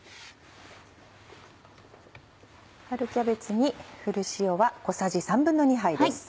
春キャベツに振る塩は小さじ２／３杯です。